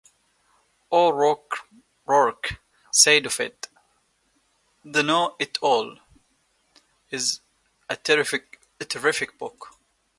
O'Rourke said of it: "The Know-It-All" is a terrific book.